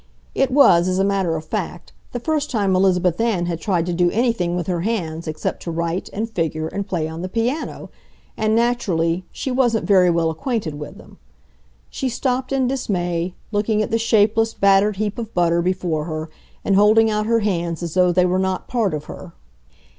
It was, as a matter of fact, the first time Elizabeth Ann had tried to do anything with her hands except to write and figure and play on the piano, and naturally she wasn't very well acquainted with them. She stopped in dismay, looking at the shapeless, battered heap of butter before her and holding out her hands as though they were not part of her.